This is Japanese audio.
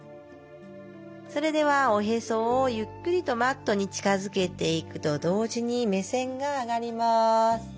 それではおへそをゆっくりとマットに近づけていくと同時に目線が上がります。